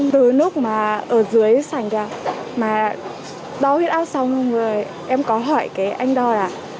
từ lúc mà ở dưới sành kia mà đau huyết áp xong rồi em có hỏi cái anh đó là